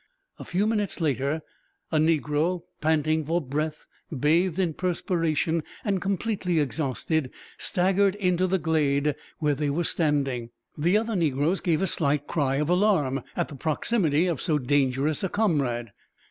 A few minutes later a negro, panting for breath, bathed in perspiration, and completely exhausted, staggered into the glade where they were standing. The other negroes gave a slight cry of alarm, at the proximity of so dangerous a comrade.